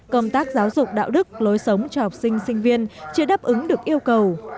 công tác giáo dục đạo đức lối sống cho học sinh sinh viên chưa đáp ứng được yêu cầu